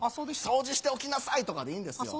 掃除しておきなさいとかでいいんですよ。